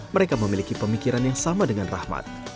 mereka memiliki pemikiran yang sama dengan rahmat